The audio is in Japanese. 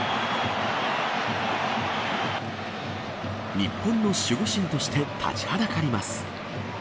日本の守護神として立ちはだかります。